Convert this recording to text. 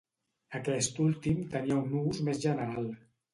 Aquest últim tenia un ús més general.